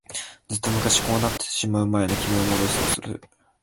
ずっと昔、こうなってしまう前の君を思い出そうとする。